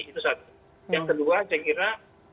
itu satu yang kedua saya kira